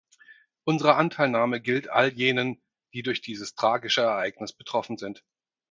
Unsere Anteilnahme gilt all jenen, die durch dieses tragische Ereignis betroffen sind.